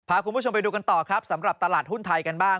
พาคุณผู้ชมไปดูกันต่อครับสำหรับตลาดหุ้นไทยกันบ้าง